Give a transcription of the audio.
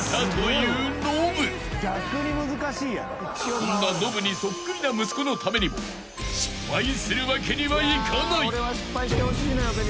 ［そんなノブにそっくりな息子のためにも失敗するわけにはいかない］